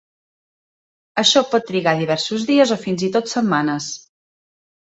Això pot trigar diversos dies o fins i tot setmanes.